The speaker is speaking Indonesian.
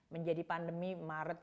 menjadi pandemi maret